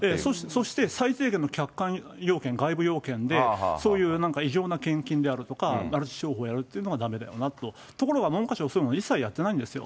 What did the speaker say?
そして最低限の客観要件、外部要件でそういう異常な献金であるとか、マルチ商法をやるっていうのはだめだよねって、ところが文科省、そういうのを一切やってないんですよ。